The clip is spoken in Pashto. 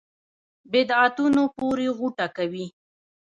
بدعتونو پورې غوټه کوي.